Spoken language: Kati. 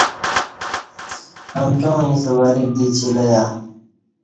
امکیاں ایݩستہ وریک دی چیلیہ